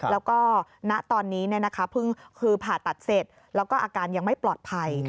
แล้วก็ณตอนนี้เพิ่งคือผ่าตัดเสร็จแล้วก็อาการยังไม่ปลอดภัย